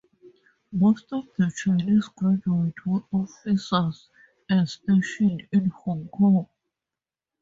Most of the Chinese graduates were officers and stationed in Hong-Kong.